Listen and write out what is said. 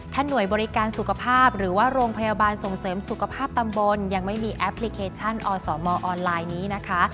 หน่วยบริการสุขภาพหรือว่าโรงพยาบาลส่งเสริมสุขภาพตำบลยังไม่มีแอปพลิเคชันอสมออนไลน์นี้นะคะ